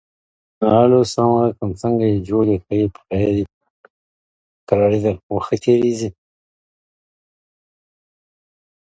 This project is currently shelved.